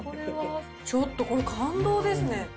ちょっとこれ、感動ですね。